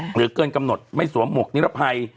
เกินกำหนดไม่สวมหมวกนิรภัย